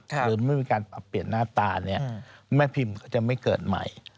หรือไม่มีการปรับเปลี่ยนหน้าตาเนี่ยแม่พิมพ์ก็จะไม่เกิดใหม่